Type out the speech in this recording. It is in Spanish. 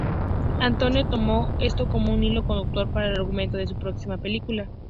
Antonioni tomó esto como un hilo conductor para el argumento de su próxima película.